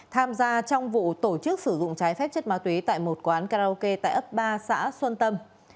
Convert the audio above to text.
tham gia trong vụ tổ chức sử dụng trái phép chất ma túy tại một quán karaoke tại ấp ba xã xuân tâm